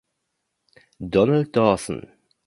Donald Dawson.